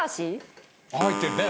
入ってるね